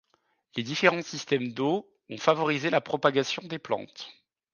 Les différents systèmes d'eau ont favorisé la propagation des plantes.